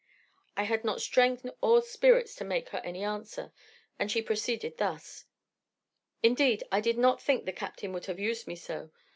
I had not strength or spirits to make her any answer, and she proceeded thus: 'Indeed I did not think the captain would have used me so.